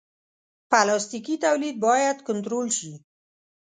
پلاستيکي تولید باید کنټرول شي.